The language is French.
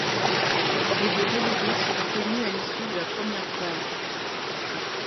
Les deux relégués seront connus à l'issue de la première phase.